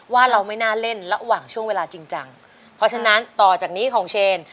ว่าเราไม่น่าเล่นระหว่างช่วงเวลาจริงจังเพราะฉะนั้นต่อจากนี้ของเชน